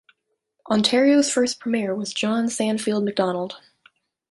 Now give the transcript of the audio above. Ontario's first premier was John Sandfield Macdonald.